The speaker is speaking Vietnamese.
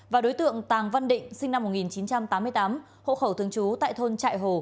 và đối tượng tàng văn định sinh năm một nghìn chín trăm tám mươi tám hộ khẩu thường trú tại thôn trại hồ